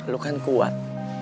lu kan kuat